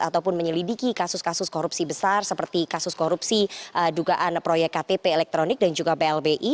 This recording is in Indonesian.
ataupun menyelidiki kasus kasus korupsi besar seperti kasus korupsi dugaan proyek ktp elektronik dan juga blbi